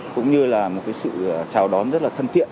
cũng như là một cái sự chào đón rất là thân thiện